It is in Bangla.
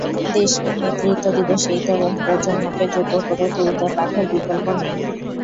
দেশকে নেতৃত্ব দেবে সেই তরুণ প্রজন্মকে যোগ্য করে তুলতে পাঠের বিকল্প নেই।